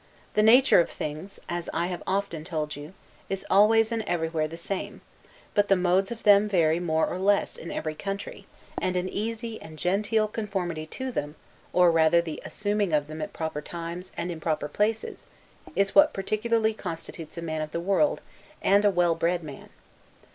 The nature of things (as I have often told you) is always and everywhere the same; but the modes of them vary more or less, in every country; and an easy and genteel conformity to them, or rather the assuming of them at proper times, and in proper places, is what particularly constitutes a man of the world, and a well bred man.